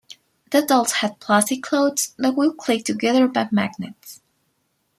The dolls had plastic clothes that would click together by magnets.